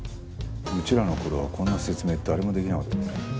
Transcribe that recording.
うちらの頃はこんな説明誰もできなかったです。